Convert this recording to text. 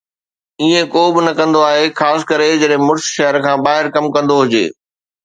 ائين ڪو به نه ڪندو آهي، خاص ڪري جڏهن مڙس شهر کان ٻاهر ڪم ڪندو هجي